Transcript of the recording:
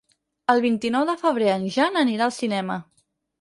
El vint-i-nou de febrer en Jan anirà al cinema.